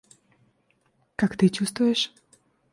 Как ты чувствуешь?